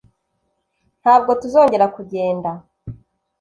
ntabwo tuzongera kugenda,